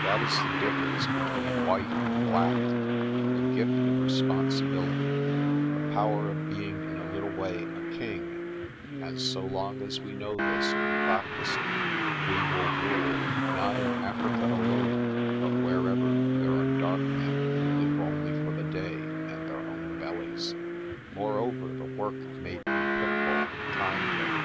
That is the difference between white and black, the gift of responsibility, the power of being in a little way a king; and so long as we know this and practise it, we will rule not in Africa alone but wherever there are dark men who live only for the day and their own bellies. Moreover the work made me pitiful and kindly.